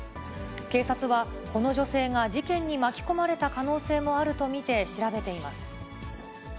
警察は、この女性が事件に巻き込まれた可能性もあると見て調べています。